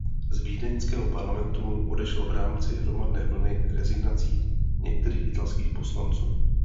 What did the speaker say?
Z vídeňského parlamentu odešel v rámci hromadné vlny rezignací některých italských poslanců.